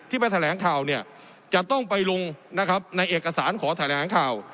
ไปแถลงข่าวเนี่ยจะต้องไปลงนะครับในเอกสารขอแถลงข่าว